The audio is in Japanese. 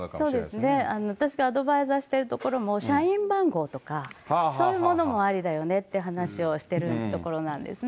そうですね、私がアドバイザーしてる所も社員番号とか、そういうものもありだよねって話もしてるところなんですね。